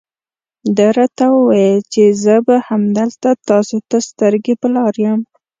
ده راته وویل چې زه به همدلته تاسو ته سترګې په لار یم.